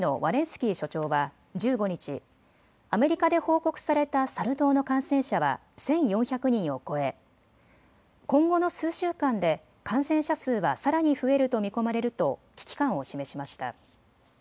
スキー所長は１５日、アメリカで報告されたサル痘の感染者は１４００人を超え今後の数週間で感染者数はさらに増えると見込まれると危機感を示しました。